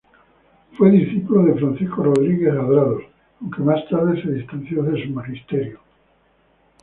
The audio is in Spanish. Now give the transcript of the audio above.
Fue discípulo de Francisco Rodríguez Adrados, aunque más tarde se distanció de su magisterio.